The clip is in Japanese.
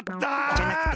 じゃなくて。